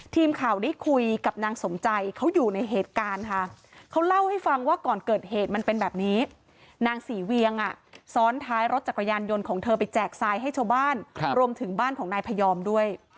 ทีมข่าวได้คุยกับนางสมใจเขาอยู่ในเหตุการณ์ค่ะเขาเล่าให้ฟังว่าก่อนเกิดเหตุมันเป็นแบบนี้นางศรีเวียงซ้อนท้ายรถจักรยานยนต์ของเธอไปแจกทรายให้ชาวบ้านรวมถึงบ้านของนายพยอมด้วย